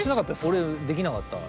俺できなかった。